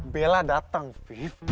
bella datang afif